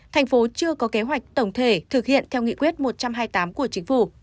thành phố chưa có kế hoạch tổng thể thực hiện theo nghị quyết một trăm hai mươi tám của chính phủ